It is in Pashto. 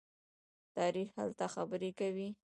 تاریخ هلته خبرې کوي.